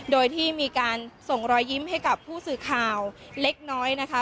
โดยที่มีการส่งรอยยิ้มให้กับผู้สื่อข่าวเล็กน้อยนะคะ